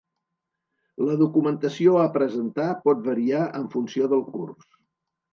La documentació a presentar pot variar en funció del curs.